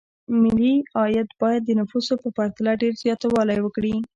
ملي عاید باید د نفوسو په پرتله ډېر زیاتوالی وکړي.